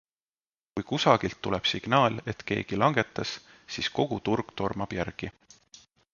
Kui kusagilt tuleb signaal, et keegi langetas, siis kogu turg tormab järgi.